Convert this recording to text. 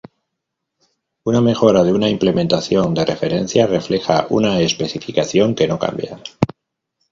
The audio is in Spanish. Una mejora de una implementación de referencia refleja una especificación que no cambia.